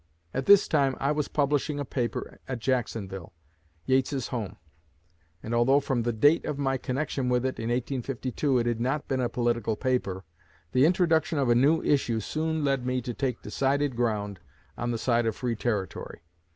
At this time I was publishing a paper at Jacksonville, Yates's home; and although from the date of my connection with it, in 1852, it had not been a political paper, the introduction of a new issue soon led me to take decided ground on the side of free territory.